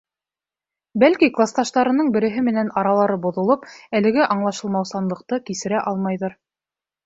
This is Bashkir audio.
Бәлки, класташтарының береһе менән аралары боҙолоп, әлеге аңлашылмаусанлыҡты кисерә алмайҙыр.